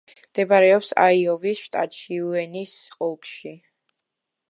მდებარეობს აიოვის შტატში, უეინის ოლქში.